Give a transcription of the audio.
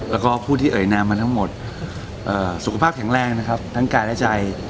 แล้วก็ผู้ที่เอ่ยนามมาทั้งหมดสุขภาพแข็งแรงนะครับทั้งกายและใจ